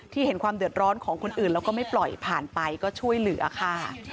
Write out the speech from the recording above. เห็นความเดือดร้อนของคนอื่นแล้วก็ไม่ปล่อยผ่านไปก็ช่วยเหลือค่ะ